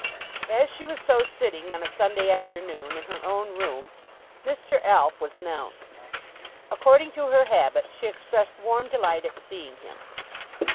As she was so sitting on a Sunday afternoon, in her own room, Mr. Alf was announced. According to her habit, she expressed warm delight at seeing him.